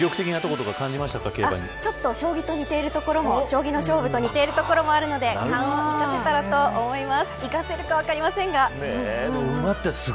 競馬はちょっと将棋と似ているところもあるので生かせたらと思います。